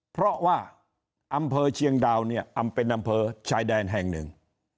เพราะว่าอำเภอเชียงดาวเนี่ยเป็นอำเภอชายแดนแห่งหนึ่ง